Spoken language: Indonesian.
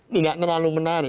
tidak terlalu menarik